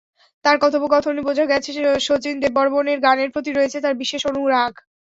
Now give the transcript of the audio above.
তাঁর কথোপকথনে বোঝা গেছে, শচীন দেববর্মনের গানের প্রতি রয়েছে তাঁর বিশেষ অনুরাগ।